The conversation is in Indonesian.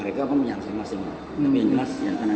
rusun yang ada di wilayah utara utara